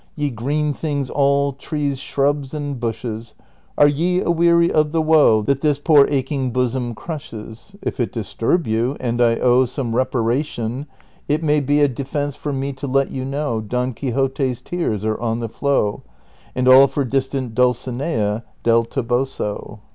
Ye green things all, trees, shrubs, and bushes, Are ye aweary of the woe That this jjoor aching bosom crushes ? If it disturb you,, and I owe Some reparation, it may be a Defence for me to let you know Don Quixote's tears are on the flow, And all for distant Dulcinea Del Toboso.